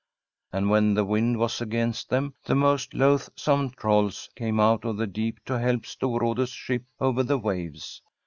And when the wind was against them, the most loathsome trolls came out of the deep to help Storrade's ship over the waves.